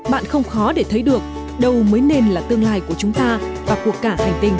bạn không khó để thấy được đâu mới nên là tương lai của chúng ta và cuộc cả thành tình